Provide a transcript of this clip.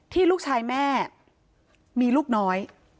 ลูกชายแม่มีลูกน้อย